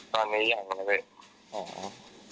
ตอนนี้อย่างนั้นแหละ